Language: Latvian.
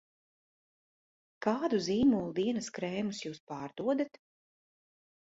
Kādu zīmolu dienas krēmus jūs pārdodat?